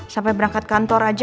sampai berangkat kantor aja